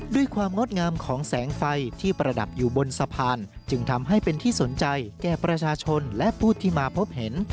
งดงามของแสงไฟที่ประดับอยู่บนสะพานจึงทำให้เป็นที่สนใจแก่ประชาชนและผู้ที่มาพบเห็น